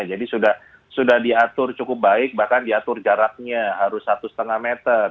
jadi sudah diatur cukup baik bahkan diatur jaraknya harus satu lima meter